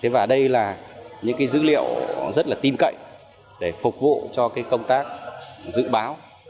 và đây là những dữ liệu rất tin cậy để phục vụ cho công tác dự báo